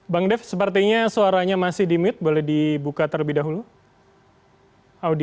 bang dev sepertinya suaranya masih di mute boleh dibuka terlebih dahulu